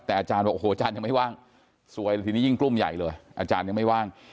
แต่อาจารย์ว่าหัวอาจารย์ยังไม่ว่างสวยพิธีันยิ่งกลุ้มใหญ่เลยว่ะาจารย์ยังไม่ว่าง